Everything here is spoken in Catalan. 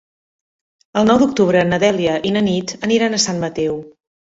El nou d'octubre na Dèlia i na Nit aniran a Sant Mateu.